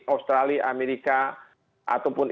australia amerika ataupun